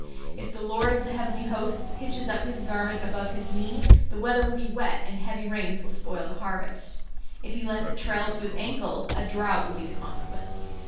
If the Lord of the Heavenly Hosts hitches up his garment above his knee, the weather will be wet and heavy rains will spoil the harvest. If he lets it trail to his ankle, a drought will be the consequence.